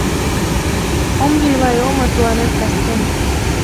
Ом лий лай омо тыланет кастен.